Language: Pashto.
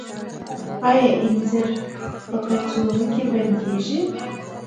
آیا انځر په کڅوړو کې بندیږي؟